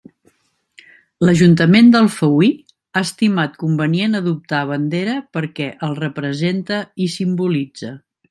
L'Ajuntament d'Alfauir ha estimat convenient adoptar bandera perquè el represente i simbolitze.